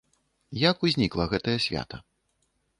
Як узнікла гэтае свята?